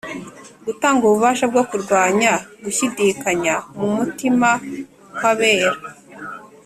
Gutanga ububasha bwo kurwanya gushyidikanya mu mutima kw'abizera